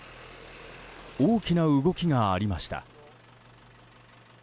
大きな動きがありました。